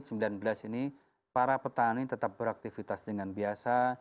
covid sembilan belas ini para petani tetap beraktivitas dengan biasa